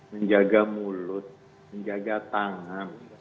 menjaga mulut menjaga tangan